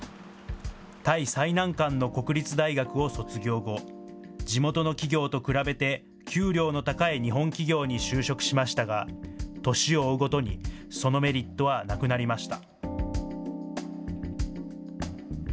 タイ最難関の国立大学を卒業後、地元の企業と比べて、給料の高い日本企業に就職しましたが、年を追うごとに、そのメリットはなくなりました。